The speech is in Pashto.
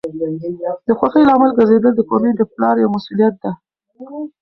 د خوښۍ لامل ګرځیدل د کورنۍ د پلار یوه مسؤلیت ده.